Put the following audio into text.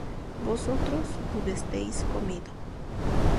vosotros hubisteis comido